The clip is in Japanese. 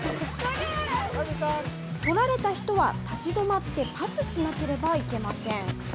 取られた人は立ち止まってパスしなければいけません。